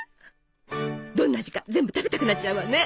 どんな味か全部食べたくなっちゃうわね。